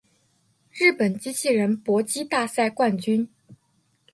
日本机器人搏击大赛冠军